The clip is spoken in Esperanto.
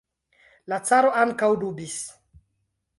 La caro ankaŭ dubis.